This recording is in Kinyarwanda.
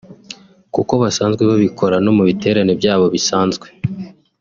kuko basanzwe babikora no mu biterane byabo bisanzwe